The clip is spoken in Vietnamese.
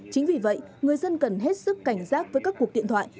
chính vì vậy người dân cần hết sức cảnh giác với các cuộc điện thoại